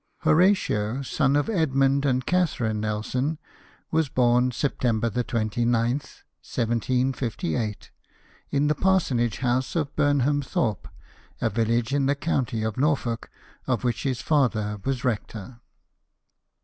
Horatio, son of Edmund and Catherine Nelson, was born September 29, 1758, in the parsonage house of Burnham Thorpe, a village in the county of Norfolk, of which his father was rector.